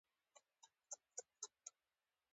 ځمکنی شکل د افغان ماشومانو د لوبو یوه جالبه موضوع ده.